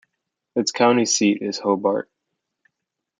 Its county seat is Hobart.